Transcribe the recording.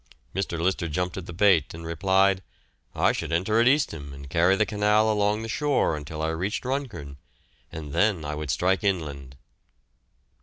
Mr. Lyster jumped at the bait, and replied, "I should enter at Eastham and carry the canal along the shore until I reached Runcorn, and then I would strike inland."